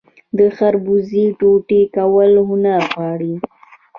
د خربوزې ټوټې کول هنر غواړي.